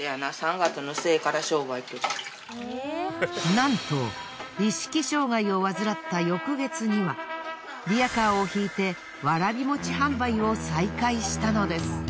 なんと意識障害を患った翌月にはリヤカーを引いてわらびもち販売を再開したのです。